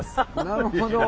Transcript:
なるほど。